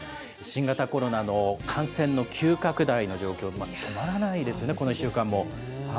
新型コロナの感染の急拡大の状況、減らないですね、この１週間も。